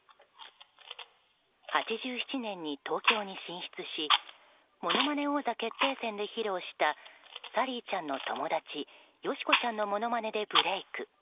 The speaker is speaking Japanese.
８７年に東京に進出し「ものまね王座決定戦」で披露したサリーちゃんの友達よしこちゃんのものまねでブレーク。